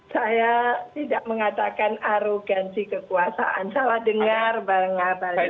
saya tidak mengatakan arogansi kekuasaan salah dengar bang abalin